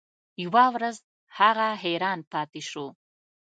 یوه ورځ هغه حیران پاتې شو.